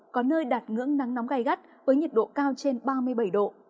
có nơi đạt ngưỡng nắng nóng gai gắt với nhiệt độ cao trên ba mươi bảy độ